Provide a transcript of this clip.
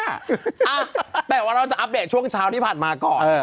อ่ะแต่ว่าเราจะอัปเดตช่วงเช้าที่ผ่านมาก่อน